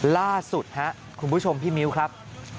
ล่าสุดคุณผู้ชมพี่มิวครับ